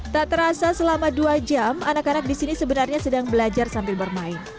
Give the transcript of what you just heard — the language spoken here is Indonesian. tak terasa selama dua jam anak anak di sini sebenarnya sedang belajar sambil bermain